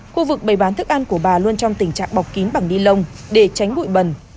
khu vực bày bán thức ăn của bà luôn trong tình trạng bọc kín bằng ni lông để tránh bụi bẩn